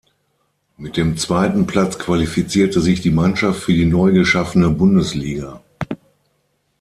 Mit dem zweiten Platz qualifizierte sich die Mannschaft für die neu geschaffene Bundesliga.